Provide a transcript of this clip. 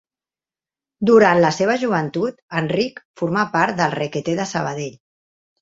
Durant la seva joventut, Enric formà part del Requetè de Sabadell.